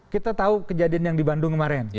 kita tahu kejadian yang di bandung kemarin